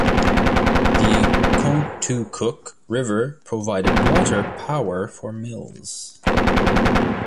The Contoocook River provided water power for mills.